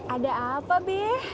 ada apa be